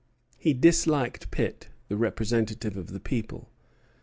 He disliked Pitt, the representative of the people.